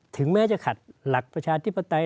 ถึงแม้จะขัดหลักประชาธิปไตย